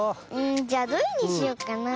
じゃあどれにしよっかなあ。